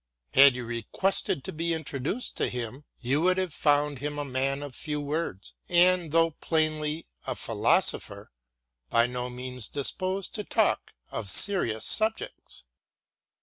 Had you requested to be introduced to him, you would have found him a man of few words and, though plainly a philosopher, by no means disposed to talk of serious subjects.